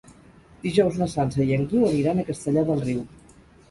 Dijous na Sança i en Guiu aniran a Castellar del Riu.